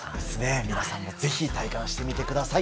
皆さんもぜひ体感してみてください。